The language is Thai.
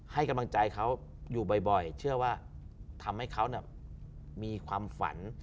ให้กำลังใจเขาอยู่บ่อยเชื่อว่าทำให้เขามีความฝัน